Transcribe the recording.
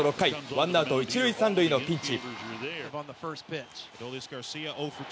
ワンアウト１塁３塁のピンチ。